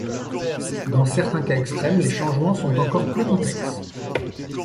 Dans certains cas extrêmes les changements sont encore plus complexes.